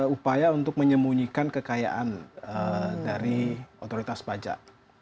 upaya untuk menyembunyikan kekayaan dari otoritas pajak